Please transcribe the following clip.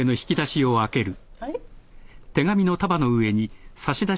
あれ？